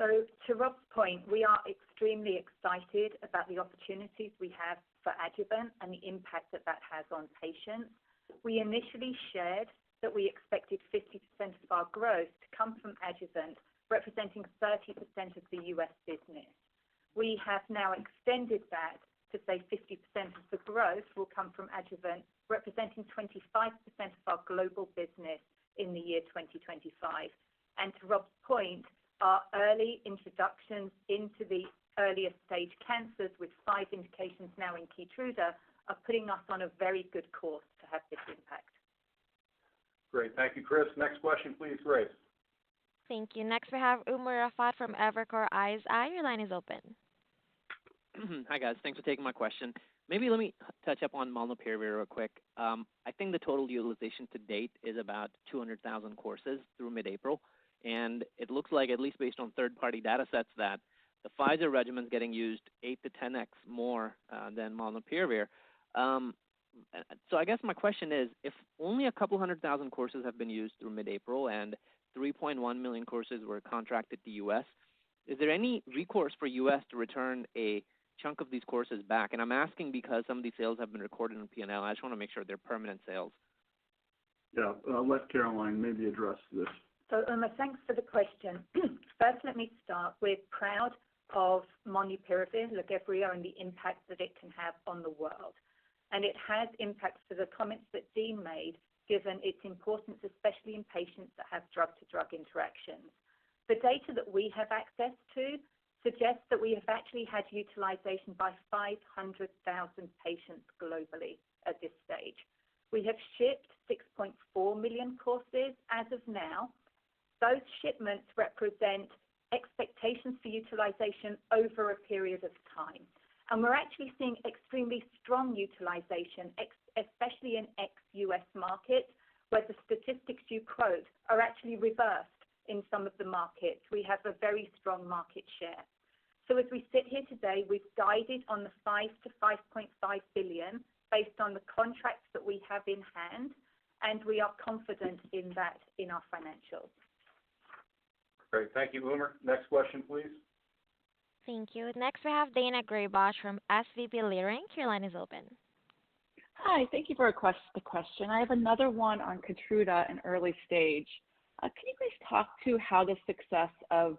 To Rob's point, we are extremely excited about the opportunities we have for adjuvant and the impact that that has on patients. We initially shared that we expected 50% of our growth to come from adjuvant, representing 30% of the U.S. business. We have now extended that to say 50% of the growth will come from adjuvant, representing 25% of our global business in the year 2025. To Rob's point, our early introductions into the earliest stage cancers, with five indications now in KEYTRUDA, are putting us on a very good course to have this impact. Great. Thank you, Chris. Next question please, Grace. Thank you. Next, we have Umer Raffat from Evercore ISI. Your line is open. Hi, guys. Thanks for taking my question. Maybe let me touch on molnupiravir real quick. I think the total utilization to date is about 200,000 courses through mid-April. It looks like, at least based on third-party data sets, that the Pfizer regimen is getting used 8-10x more than molnupiravir. So I guess my question is, if only a couple 100,000 courses have been used through mid-April and 3.1 million courses were contracted to U.S., is there any recourse for U.S. to return a chunk of these courses back? I'm asking because some of these sales have been recorded on P&L. I just wanna make sure they're permanent sales. Yeah. I'll let Caroline maybe address this. Umer, thanks for the question. First, let me start, we're proud of molnupiravir, LAGEVRIO, and the impact that it can have on the world. It has impacts to the comments that Dean made, given its importance, especially in patients that have drug-to-drug interactions. The data that we have access to suggests that we have actually had utilization by 500,000 patients globally at this stage. We have shipped 6.4 million courses as of now. Those shipments represent expectations for utilization over a period of time. We're actually seeing extremely strong utilization, especially in ex-US markets, where the statistics you quote are actually reversed in some of the markets. We have a very strong market share. As we sit here today, we've guided on the $5 billion-$5.5 billion based on the contracts that we have in hand, and we are confident in that in our financials. Great. Thank you, Umer. Next question, please. Thank you. Next, we have Daina Graybosch from SVB Leerink. Your line is open. Hi, thank you for the question. I have another one on KEYTRUDA in early-stage. Can you please talk to how the success of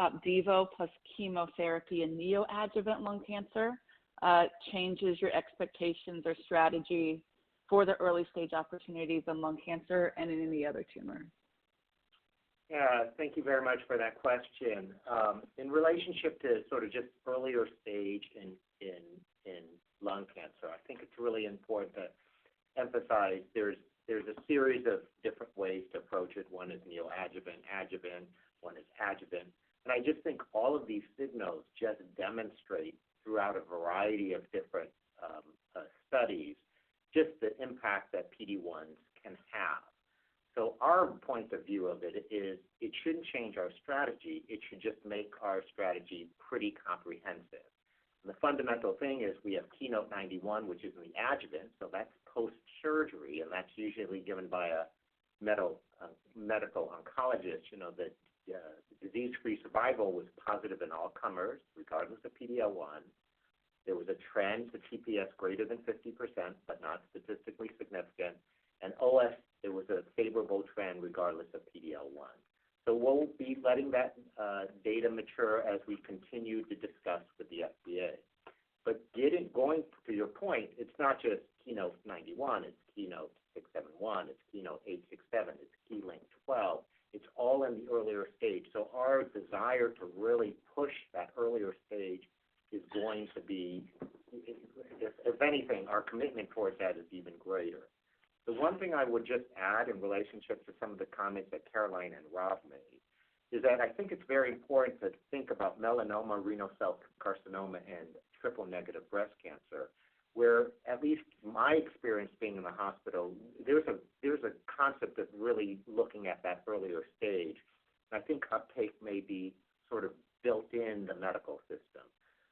Opdivo plus chemotherapy in neoadjuvant lung cancer changes your expectations or strategy for the early-stage opportunities in lung cancer and in any other tumor? Yeah. Thank you very much for that question. In relationship to sort of just earlier stage in lung cancer, I think it's really important to emphasize there's a series of different ways to approach it. One is neoadjuvant, adjuvant, one is adjuvant. I just think all of these signals just demonstrate throughout a variety of different studies, just the impact that PD-1s can have. Our point of view of it is it shouldn't change our strategy. It should just make our strategy pretty comprehensive. The fundamental thing is we have KEYNOTE-091, which is an adjuvant, so that's post-surgery, and that's usually given by a medical oncologist. You know, the disease-free survival was positive in all comers, regardless of PD-L1. There was a trend to TPS greater than 50%, but not statistically significant. OS, there was a favorable trend regardless of PD-L1. We'll be letting that data mature as we continue to discuss with the FDA. Going to your point, it's not just KEYNOTE-091, it's KEYNOTE-671, it's KEYNOTE-867, it's KEYLYNK-012. It's all in the earlier stage. Our desire to really push that earlier stage is going to be if anything, our commitment towards that is even greater. The one thing I would just add in relationship to some of the comments that Caroline and Rob made is that I think it's very important to think about melanoma, renal cell carcinoma, and triple-negative breast cancer, where, at least my experience being in the hospital, there's a concept of really looking at that earlier stage. I think uptake may be sort of built in the medical system.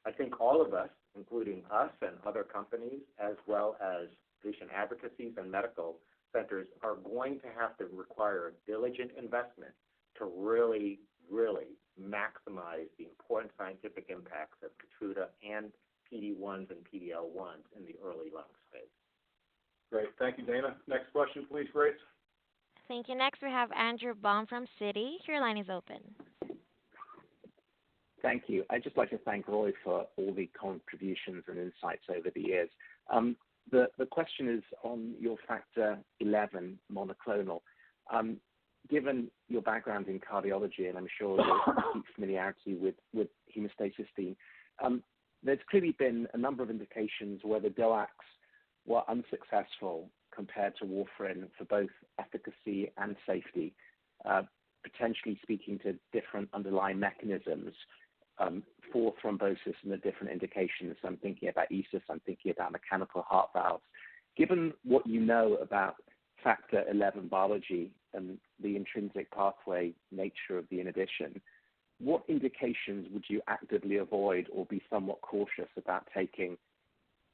I think all of us, including us and other companies as well as patient advocacies and medical centers, are going to have to require diligent investment to really, really maximize the important scientific impacts of KEYTRUDA and PD-1s and PD-L1s in the early lung space. Great. Thank you, Daina. Next question please, Grace. Thank you. Next, we have Andrew Baum from Citi. Your line is open. Thank you. I'd just like to thank Roy for all the contributions and insights over the years. The question is on your factor eleven monoclonal. Given your background in cardiology, and I'm sure you have deep familiarity with hemostasis team, there's clearly been a number of indications where the DOACs were unsuccessful compared to warfarin for both efficacy and safety, potentially speaking to different underlying mechanisms for thrombosis in the different indications. I'm thinking about ESUS. I'm thinking about mechanical heart valves. Given what you know about factor eleven biology and the intrinsic pathway nature of the inhibition, what indications would you actively avoid or be somewhat cautious about taking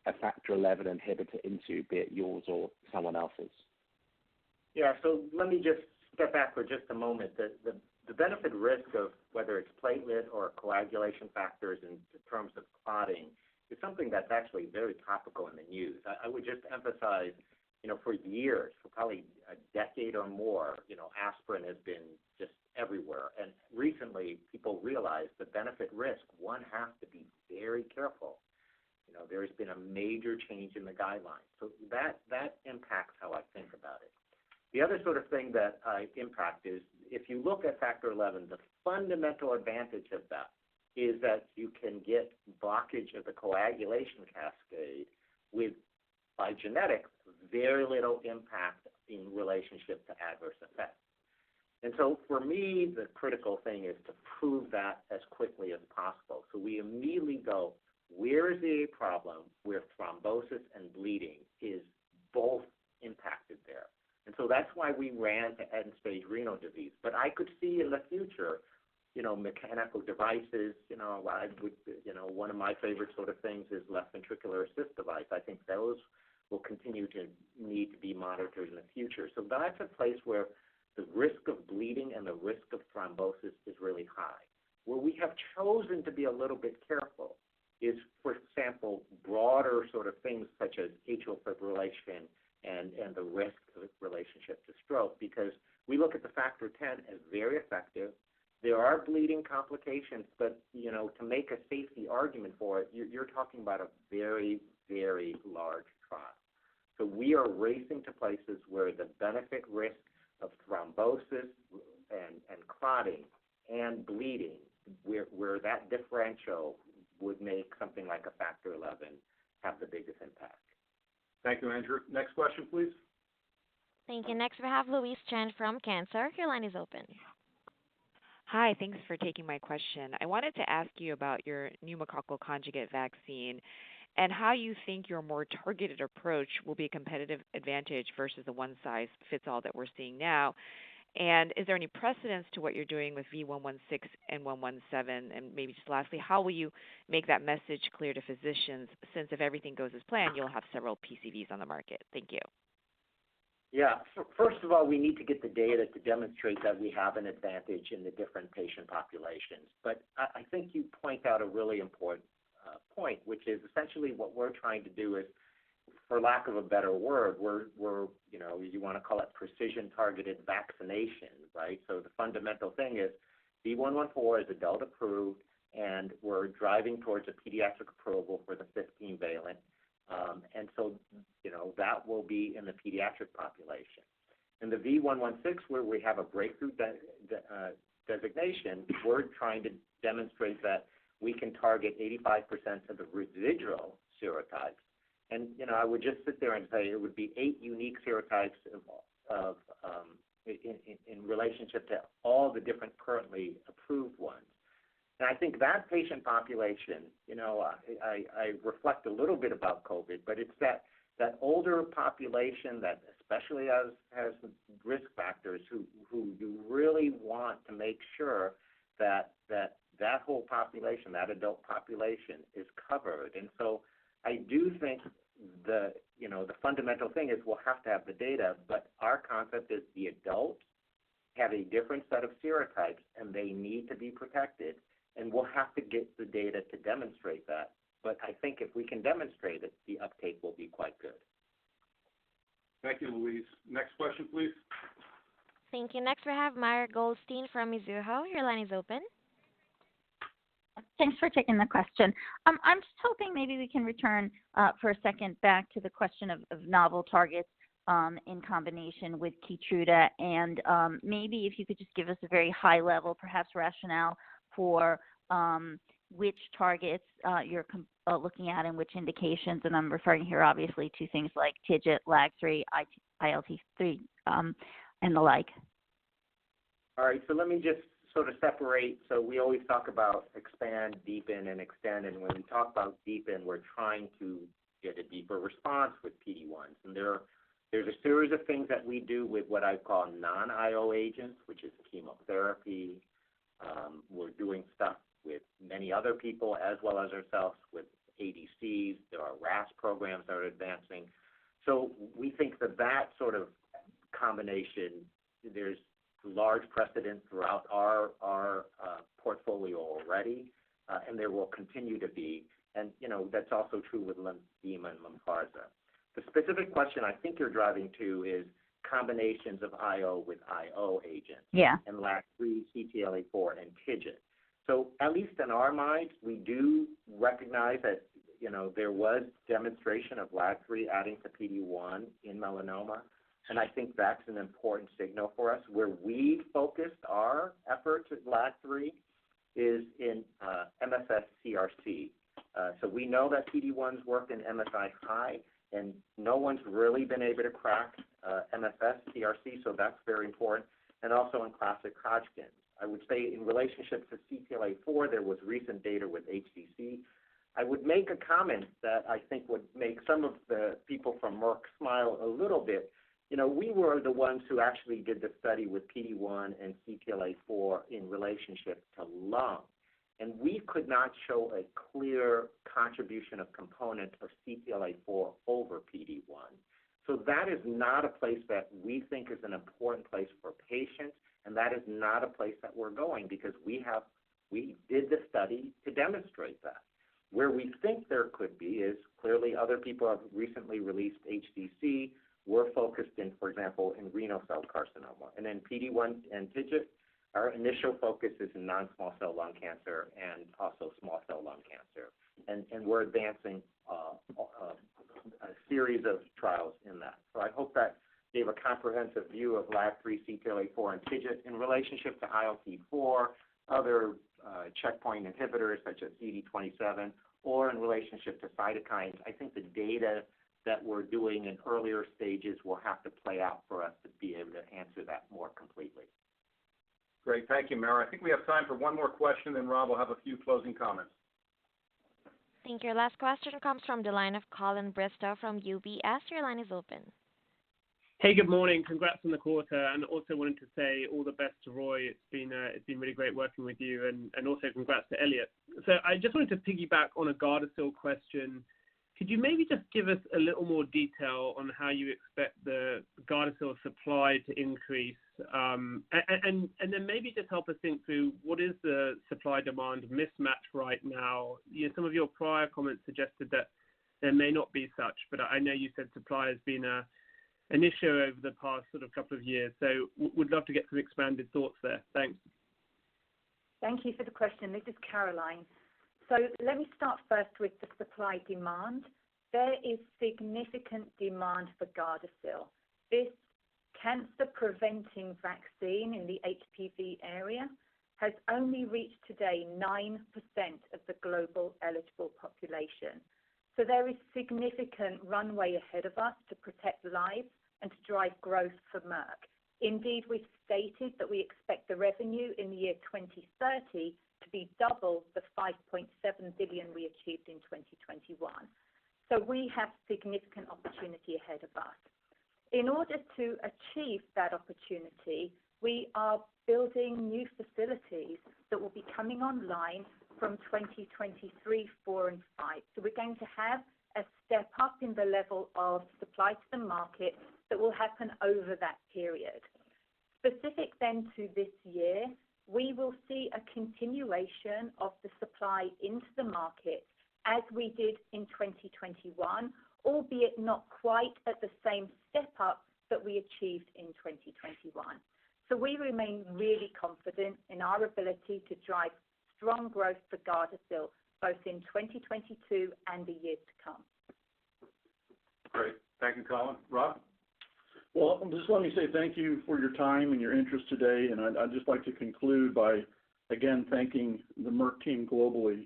a factor eleven inhibitor into, be it yours or someone else's? Yeah. Let me just step back for just a moment. The benefit/risk of whether it's platelet or coagulation factors in terms of clotting is something that's actually very topical in the news. I would just emphasize, you know, for years, for probably a decade or more, you know, aspirin has been just everywhere. Recently, people realized the benefit/risk, one has to be very careful. You know, there's been a major change in the guidelines. That impacts how I think about it. The other sort of thing that impacts is if you look at factor eleven, the fundamental advantage of that is that you can get blockage of the coagulation cascade with, by genetics, very little impact in relationship to adverse events. For me, the critical thing is to prove that as quickly as possible. We immediately go, where is the problem where thrombosis and bleeding is both impacted there? That's why we ran to end-stage renal disease. I could see in the future, you know, mechanical devices. You know, one of my favorite sort of things is left ventricular assist device. I think those will continue to need to be monitored in the future. That's a place where the risk of bleeding and the risk of thrombosis is really high. Where we have chosen to be a little bit careful is, for example, broader sort of things such as atrial fibrillation and the risk relationship to stroke, because we look at the Factor Xa as very effective. There are bleeding complications, but, you know, to make a safety argument for it, you're talking about a very, very large trial. We are racing to places where the benefit/risk of thrombosis and clotting and bleeding, where that differential would make something like a factor eleven have the biggest impact. Thank you, Andrew. Next question please. Thank you. Next we have Louise Chen from Cantor. Your line is open. Hi. Thanks for taking my question. I wanted to ask you about your pneumococcal conjugate vaccine and how you think your more targeted approach will be a competitive advantage versus the one-size-fits-all that we're seeing now. Is there any precedent to what you're doing with V116 and V117? Maybe just lastly, how will you make that message clear to physicians since if everything goes as planned, you'll have several PCVs on the market? Thank you. Yeah. First of all, we need to get the data to demonstrate that we have an advantage in the different patient populations. But I think you point out a really important point, which is essentially what we're trying to do is, for lack of a better word, we're you know, you wanna call it precision-targeted vaccination, right? The fundamental thing is V114 is adult-approved, and we're driving towards a pediatric approval for the 15-valent. You know, that will be in the pediatric population. In the V116, where we have a breakthrough designation, we're trying to demonstrate that we can target 85% of the residual serotypes. You know, I would just sit there and tell you it would be 8 unique serotypes in relationship to all the different currently approved ones. I think that patient population, you know, I reflect a little bit about COVID, but it's that older population that especially has risk factors who you really want to make sure that that whole population, that adult population is covered. I do think the, you know, the fundamental thing is we'll have to have the data, but our concept is the adults have a different set of serotypes, and they need to be protected. We'll have to get the data to demonstrate that. I think if we can demonstrate it, the uptake will be quite good. Thank you, Louise. Next question, please. Thank you. Next, we have Mara Goldstein from Mizuho. Your line is open. Thanks for taking the question. I'm just hoping maybe we can return for a second back to the question of novel targets in combination with KEYTRUDA and maybe if you could just give us a very high level perhaps rationale for which targets you're looking at and which indications, and I'm referring here obviously to things like TIGIT, LAG-3, ILT3, and the like. All right. Let me just sort of separate. We always talk about expand, deepen, and extend. When we talk about deepen, we're trying to get a deeper response with PD-1. There, there's a series of things that we do with what I call non-IO agents, which is chemotherapy. We're doing stuff with many other people as well as ourselves with ADCs. There are RAS programs that are advancing. We think that that sort of combination, there's large precedent throughout our portfolio already, and there will continue to be. You know, that's also true with Lenvima and LYNPARZA. The specific question I think you're driving to is combinations of IO with IO agents. Yeah LAG-3, CTLA-4, and TIGIT. At least in our minds, we do recognize that, you know, there was demonstration of LAG-3 adding to PD-1 in melanoma, and I think that's an important signal for us. Where we focused our efforts with LAG-3 is in MSS-CRC. We know that PD-1s work in MSI-high, and no one's really been able to crack MSS-CRC, so that's very important, and also in classic Hodgkin's. I would say in relationship to CTLA-4, there was recent data with HCC. I would make a comment that I think would make some of the people from Merck smile a little bit. You know, we were the ones who actually did the study with PD-1 and CTLA-4 in relationship to lung, and we could not show a clear contribution of component of CTLA-4 over PD-1. That is not a place that we think is an important place for patients, and that is not a place that we're going because we have. We did the study to demonstrate that. Where we think there could be is clearly other people have recently released data in HCC. We're focused in, for example, in renal cell carcinoma. PD-1 and TIGIT, our initial focus is in non-small cell lung cancer and also small cell lung cancer. We're advancing a series of trials in that. I hope that gave a comprehensive view of LAG-3, CTLA-4, and TIGIT in relationship to ILT-4, other checkpoint inhibitors such as CD27 or in relationship to cytokines. I think the data that we're doing in earlier stages will have to play out for us to be able to answer that more completely. Great. Thank you, Mara. I think we have time for one more question, then Rob will have a few closing comments. Thank you. Last question comes from the line of Colin Bristow from UBS. Your line is open. Hey, good morning. Congrats on the quarter, and also wanted to say all the best to Roy. It's been really great working with you and also congrats to Eliav. I just wanted to piggyback on a GARDASIL question. Could you maybe just give us a little more detail on how you expect the GARDASIL supply to increase? And then maybe just help us think through what is the supply-demand mismatch right now. You know, some of your prior comments suggested that there may not be such, but I know you said supply has been an issue over the past sort of couple of years. Would love to get some expanded thoughts there. Thanks. Thank you for the question. This is Caroline. Let me start first with the supply-demand. There is significant demand for GARDASIL. This cancer-preventing vaccine in the HPV area has only reached today 9% of the global eligible population. There is significant runway ahead of us to protect lives and to drive growth for Merck. Indeed, we've stated that we expect the revenue in the year 2030 to be double the $5.7 billion we achieved in 2021. We have significant opportunity ahead of us. In order to achieve that opportunity, we are building new facilities that will be coming online from 2023, 2024, and 2025. We're going to have a step up in the level of supply to the market that will happen over that period. Specific then to this year, we will see a continuation of the supply into the market as we did in 2021, albeit not quite at the same step up that we achieved in 2021. We remain really confident in our ability to drive strong growth for GARDASIL, both in 2022 and the years to come. Great. Thank you, Colin. Rob? Well, just let me say thank you for your time and your interest today. I'd just like to conclude by, again, thanking the Merck team globally,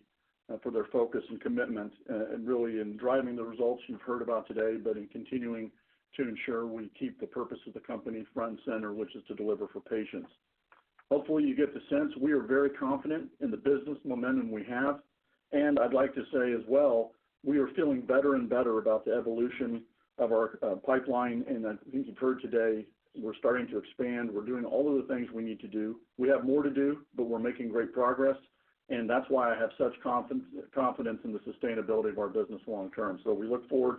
for their focus and commitment, and really in driving the results you've heard about today, but in continuing to ensure we keep the purpose of the company front and center, which is to deliver for patients. Hopefully, you get the sense we are very confident in the business momentum we have. I'd like to say as well, we are feeling better and better about the evolution of our, pipeline. As you've heard today, we're starting to expand. We're doing all of the things we need to do. We have more to do, but we're making great progress, and that's why I have such confidence in the sustainability of our business long term. We look forward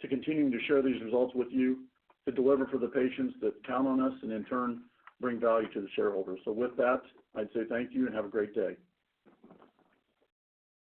to continuing to share these results with you, to deliver for the patients that count on us, and in turn, bring value to the shareholders. With that, I'd say thank you and have a great day.